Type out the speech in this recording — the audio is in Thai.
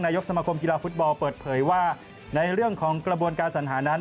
ยกสมคมกีฬาฟุตบอลเปิดเผยว่าในเรื่องของกระบวนการสัญหานั้น